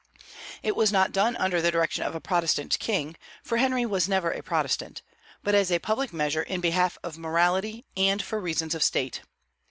It was not done under the direction of a Protestant king, for Henry was never a Protestant, but as a public measure in behalf of morality and for reasons of State.